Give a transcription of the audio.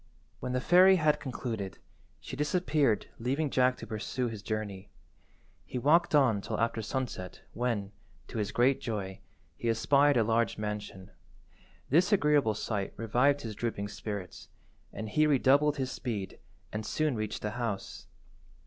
When the fairy had concluded, she disappeared leaving Jack to pursue his journey. He walked on till after sunset when, to his great joy, he espied a large mansion. This agreeable sight revived his drooping spirits, and he redoubled his speed, and soon reached the house.